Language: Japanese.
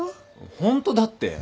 ホントだって。